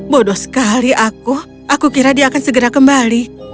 bodoh sekali aku aku kira dia akan segera kembali